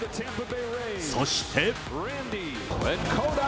そして。